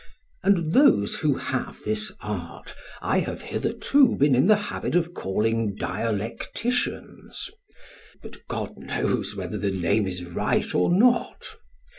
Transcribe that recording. And those who have this art, I have hitherto been in the habit of calling dialecticians; but God knows whether the name is right or not.